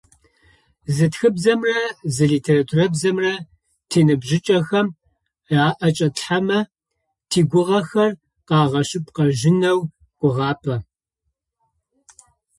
Зы тхыбзэмрэ зы литературабзэмрэ тиныбжьыкӀэхэм аӏэкӏатлъхьэмэ тигугъэхэр къагъэшъыпкъэжьынэу гугъапӏэ.